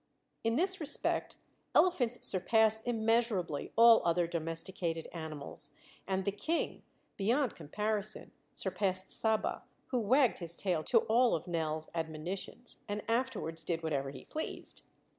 In this respect elephants surpass immeasurably all other domesticated animals, and the King, beyond comparison, surpassed Saba, who wagged his tail to all of Nell's admonitions and afterwards did whatever he pleased.